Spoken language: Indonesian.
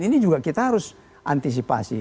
ini juga kita harus antisipasi